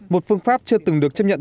một phương pháp chưa từng được chứng minh